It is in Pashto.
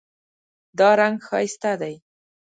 دا رنګ ښایسته دی